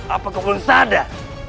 apa kamu belum sadar